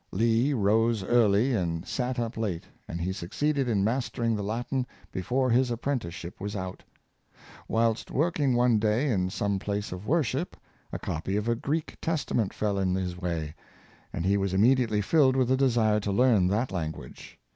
" Lee rose early and sat up late, and he succeeded in mastering the Latin before his ap prenticeship was out. Whilst working one day in some place of worship, a copy of a Greek Testament fell in his way, and he was immediately filled with the desire to learn that language.